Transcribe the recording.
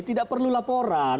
tidak perlu laporan